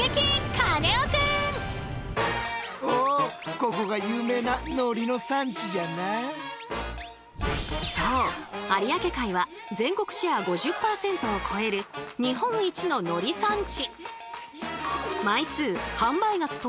カネオくん！そう有明海は全国シェア５０％を超える日本一の海苔産地。